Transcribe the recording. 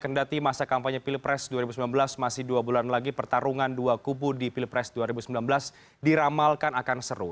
kendati masa kampanye pilpres dua ribu sembilan belas masih dua bulan lagi pertarungan dua kubu di pilpres dua ribu sembilan belas diramalkan akan seru